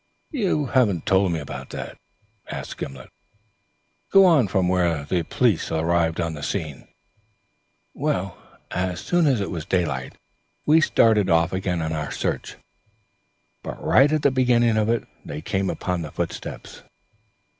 "You haven't told me that yet," said Gimblet. "Go on from when the police arrived on the scene." "As soon as it was daylight we started off again on our search. But right at the beginning of it, they came upon the footsteps."